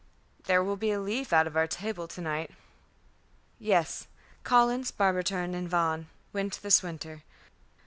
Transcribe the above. "There will be a leaf out of our table to night." "Yes. Collins, Barberton, and Vaughan went this winter.